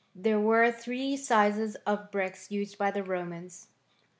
There were three sizes of bricks used by the Romans.